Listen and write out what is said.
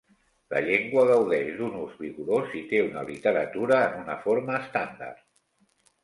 La llengua gaudeix d'un ús vigorós i té una literatura en una forma estàndard.